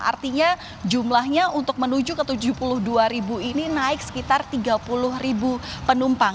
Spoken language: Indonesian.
artinya jumlahnya untuk menuju ke tujuh puluh dua ribu ini naik sekitar tiga puluh ribu penumpang